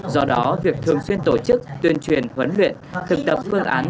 do đó việc thường xuyên tổ chức tuyên truyền huấn luyện thực tập phương án